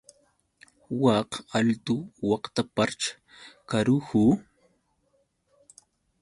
Wak altu waqtapaćhr, ¡karahu!